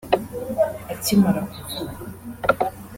Akimara kuvuka